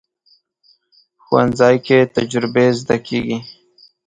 ښوونځی کې تجربې زده کېږي